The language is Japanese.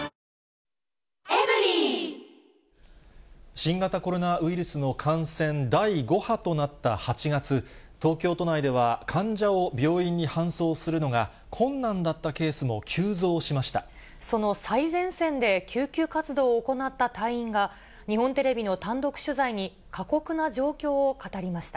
新型コロナウイルスの感染第５波となった８月、東京都内では患者を病院に搬送するのが困難だったケースも急増しその最前線で救急活動を行った隊員が、日本テレビの単独取材に過酷な状況を語りました。